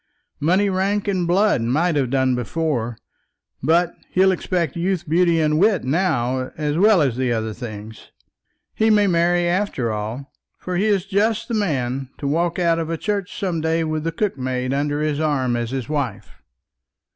Money, rank, and blood might have done before, but he'll expect youth, beauty, and wit now, as well as the other things. He may marry after all, for he is just the man to walk out of a church some day with the cookmaid under his arm as his wife."